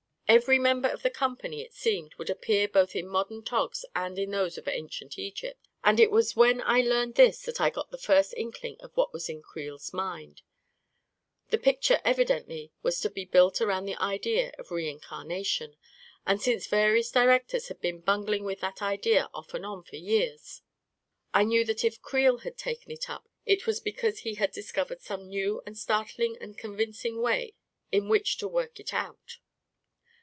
Every member of the company, it seemed, would appear both in modern togs and in those of ancient Egypt, and it was when I learned this that I got the first inkling of what was in Creel's mind. The picture, evidently, was to be built around the idea of rein carnation; and since various directors had been bung ling with that idea off and on for years, I knew that, 44 A KING IN BABYLON if Creel had taken it up, it was because he had dis covered some new and startling and convincing way in which to work it out.